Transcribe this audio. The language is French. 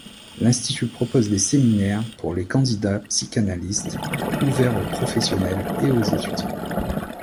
L'institut propose des séminaires pour les candidats psychanalystes, ouverts aux professionnels et aux étudiants.